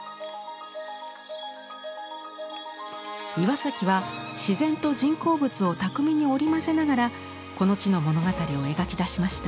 岩崎は自然と人工物を巧みに織り交ぜながらこの地の物語を描き出しました。